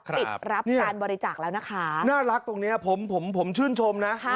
ปิดรับการบริจาคแล้วนะคะน่ารักตรงเนี้ยผมผมชื่นชมนะ